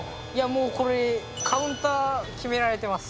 もうこれカウンター決められてます。